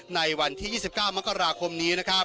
ในวันที่๒๙มกราคมนี้นะครับ